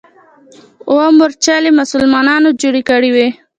اوه مورچلې مسلمانانو جوړې کړې وې.